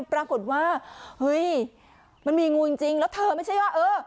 ปรากฏว่าเฮ้ยมันมีงูจริงแล้วเธอไม่ใช่ว่าเออ